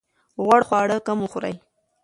غوړ خواړه کم وخورئ.